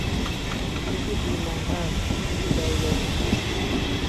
چک بی محل، چک برگشتی